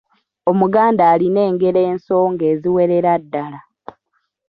Omuganda alina engero ensonge eziwerera ddala.